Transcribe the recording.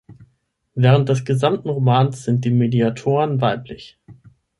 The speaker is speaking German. Während des gesamten Romans sind die Mediatoren weiblich.